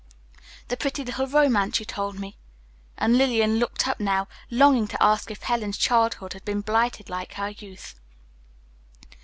"The pretty little romance you told me." And Lillian looked up now, longing to ask if Helen's childhood had been blighted like her youth.